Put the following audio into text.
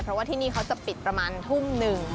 เพราะว่าที่นี่เขาจะปิดประมาณทุ่มหนึ่ง